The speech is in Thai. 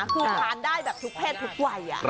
คือทานได้แบบทุกเพศทุกวัย